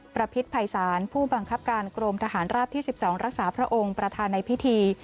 พิษภัยศาลผู้บังคับการกรมทหารราบที่๑๒รักษาพระองค์ประธานในพิธี